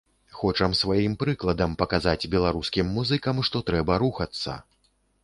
Хочам сваім прыкладам паказаць беларускім музыкам, што трэба рухацца!